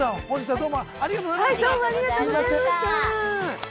はいどうもありがとうございました！